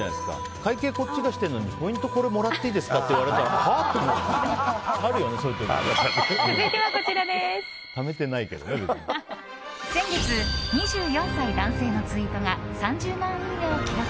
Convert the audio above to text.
会計、こっちがしてるのにポイントは自分がもらっていいですかって言われたら先月、２４歳男性のツイートが３０万いいねを記録。